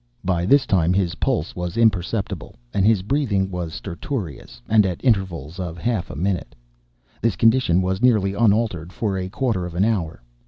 By this time his pulse was imperceptible and his breathing was stertorous, and at intervals of half a minute. This condition was nearly unaltered for a quarter of an hour.